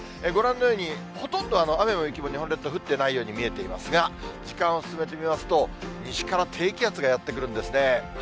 ご覧のように、ほとんど雨も雪も日本列島、降ってないように見えていますが、時間を進めてみますと、西から低気圧がやって来るんですね。